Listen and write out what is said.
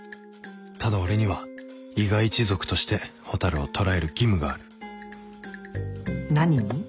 ただ俺には伊賀一族として蛍を捕らえる義務がある何に？